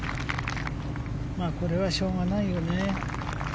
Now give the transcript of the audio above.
これはしょうがないよね。